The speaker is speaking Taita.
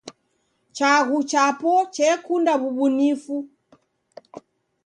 Chaghu chapo chekunda w'ubunifu.